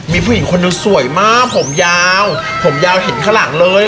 มีผู้หญิงคนหนึ่งสวยมากผมยาวผมยาวเห็นข้างหลังเลย